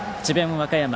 和歌山